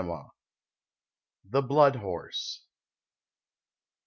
THE BLOOD HORSE.